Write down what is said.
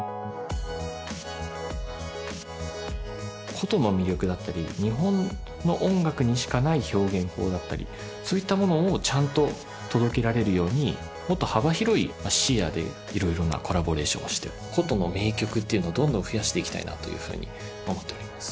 琴の魅力だったり日本の音楽にしかない表現法だったりそういったものをちゃんと届けられるようにもっと幅広い視野で色々なコラボレーションをして琴の名曲っていうのをどんどん増やしていきたいなというふうに思っております